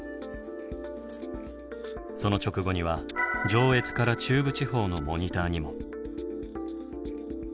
その直後には上越から中部地方のモニターにも。